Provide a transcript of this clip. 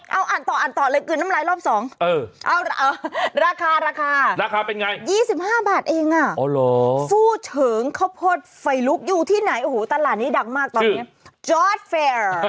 เอาอ่านต่อเลยคืนน้ำลายรอบสองราคาราคา๒๕บาทเองอ่ะฟู้เฉิงข้าวโพดไฟลุกอยู่ที่ไหนโอ้โหตลาดนี้ดักมากตอนนี้